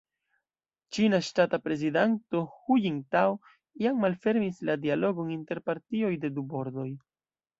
Ĉina ŝtata prezidanto Hu Jintao jam malfermis la dialogon inter partioj de du bordoj.